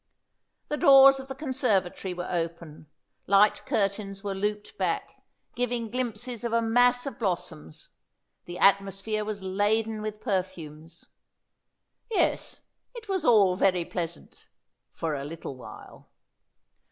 The doors of the conservatory were open; light curtains were looped back, giving glimpses of a mass of blossoms; the atmosphere was laden with perfumes. Yes, it was all very pleasant for a little while.